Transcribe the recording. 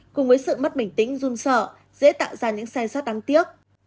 cùng với sự mất bình tĩnh run sợ dễ tạo ra những sai sát đáng tiếc